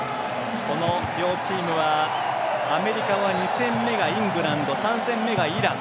この両チームはアメリカは２戦目がイングランド３戦目がイラン。